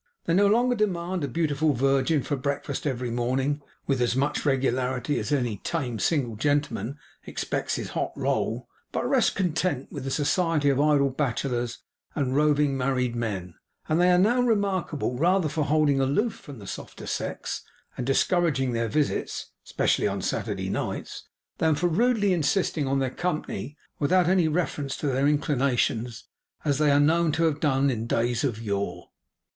They no longer demand a beautiful virgin for breakfast every morning, with as much regularity as any tame single gentleman expects his hot roll, but rest content with the society of idle bachelors and roving married men; and they are now remarkable rather for holding aloof from the softer sex and discouraging their visits (especially on Saturday nights), than for rudely insisting on their company without any reference to their inclinations, as they are known to have done in days of yore.